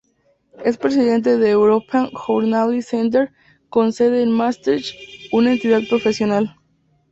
Es presidente del European Journalism Center, con sede en Maastricht, una entidad profesional.